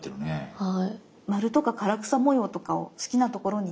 はい。